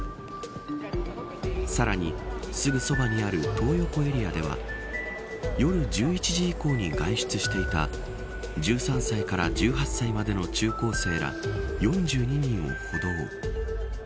さらに、すぐそばにあるトー横エリアでは夜１１時以降に外出していた１３歳から１８歳までの中高生ら４２人を補導。